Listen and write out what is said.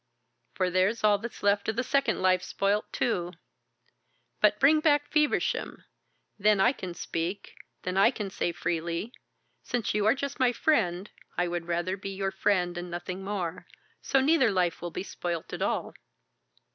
For there's all that's left of the second life spoilt too. But bring back Feversham! Then I can speak then I can say freely: 'Since you are just my friend, I would rather be your friend and nothing more. So neither life will be spoilt at all.'"